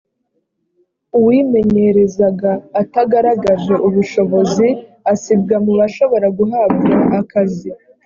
uwimenyerezaga atagaragaje ubushobozi, asibwa mu bashobora guhabwa akazi